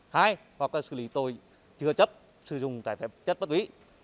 hai hoặc là xử lý tội chưa chấp sử dụng tài phạm chất ma túy